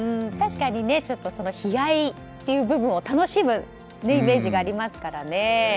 確かにちょっと悲哀という部分を楽しむイメージがありますからね。